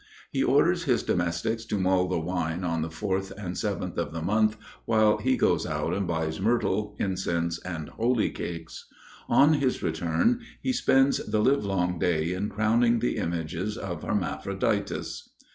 He orders his domestics to mull the wine on the fourth and seventh of the month, while he goes out and buys myrtle, incense, and holy cakes; on his return he spends the livelong day in crowning the images of Hermaphroditus.